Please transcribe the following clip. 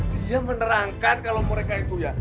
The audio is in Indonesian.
dia menerangkan kalau mereka itu ya